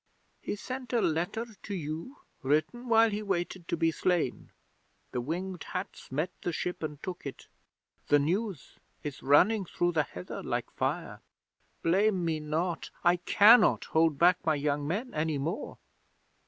He sent a letter to you, written while he waited to be slain. The Winged Hats met the ship and took it. The news is running through the heather like fire. Blame me not! I cannot hold back my young men any more."